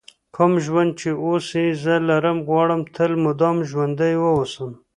کوم ژوند چې اوس یې زه لرم غواړم تل مدام ژوندی ووسم.